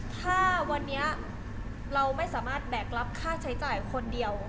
ถ้าวันนี้เราไม่สามารถแบกรับค่าใช้จ่ายคนเดียว